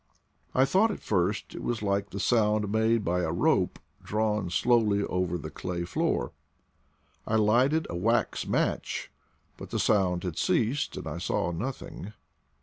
I thought at first it was like the sound made by a rope drawn slowly over the clay floor. I lighted a wax match, but the sound had ceased, and I saw nothing.